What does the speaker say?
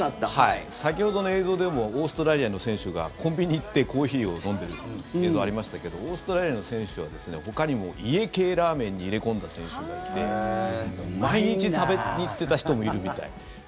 先ほどの映像でもオーストラリアの選手がコンビニ行ってコーヒーを飲んでる映像がありましたけどオーストラリアの選手はですねほかにも家系ラーメンに入れ込んだ選手がいて毎日、食べに行ってた人もいるみたい。